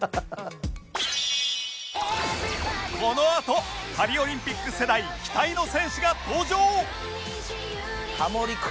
このあとパリオリンピック世代期待の選手が登場！